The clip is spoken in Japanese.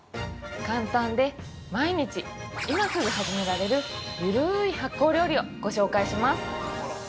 簡単で、毎日、今すぐ始められるゆるい発酵料理をご紹介します。